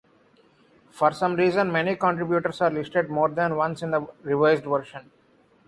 For some reason many contributors are listed more than once in the revised version.